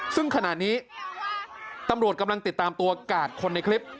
ซึ่งขณะนี้ตำรวจกำลังติดตามตัวกาดคนในคลิป